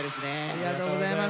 ありがとうございます。